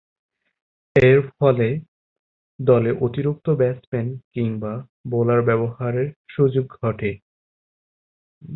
এরফলে, দলে অতিরিক্ত ব্যাটসম্যান কিংবা বোলার ব্যবহারের সুযোগ ঘটে।